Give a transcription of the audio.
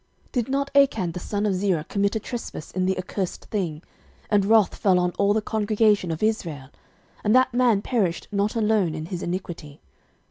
06:022:020 Did not Achan the son of Zerah commit a trespass in the accursed thing, and wrath fell on all the congregation of Israel? and that man perished not alone in his iniquity.